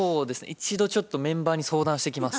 一度ちょっとメンバーに相談してきます。